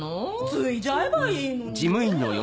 継いじゃえばいいのにねぇ。